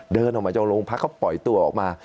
เดินออกมาจากโรงพักเขาปล่อยตัวออกมา